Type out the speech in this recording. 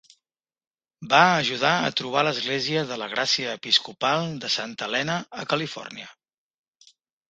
Va ajudar a trobar l'Església de la Gràcia Episcopal de Santa Helena a Califòrnia.